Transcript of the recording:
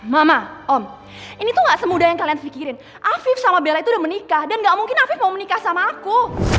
mama om ini tuh gak semudah yang kalian pikirin afif sama bella itu udah menikah dan gak mungkin afif mau menikah sama aku